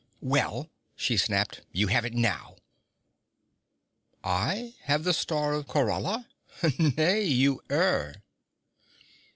'Well,' she snapped, 'you have it now!' 'I have the Star of Khorala? Nay, you err.'